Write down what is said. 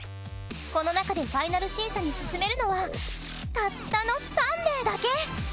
この中でファイナル審査に進めるのはたったの３名だけ！